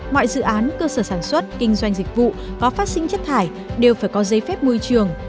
mọi dự án cơ sở sản xuất kinh doanh dịch vụ có phát sinh chất thải đều phải có giấy phép môi trường